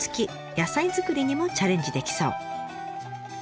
野菜作りにもチャレンジできそう。